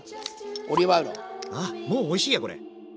もうおいしいやこれ！